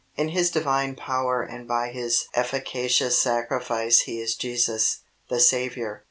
In His Divine power and by His efficacious sacrifice He is Jesus, the Saviour.